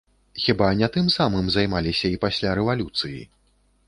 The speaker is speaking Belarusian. Хіба не тым самым займаліся і пасля рэвалюцыі?